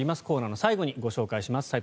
コーナーの最後にご紹介します。